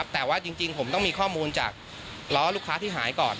แต่ว่าจริงผมต้องมีข้อมูลจากล้อลูกค้าที่หายก่อน